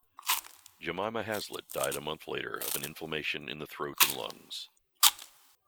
Jemima Haslet died a month later of an inflammation in the throat and lungs.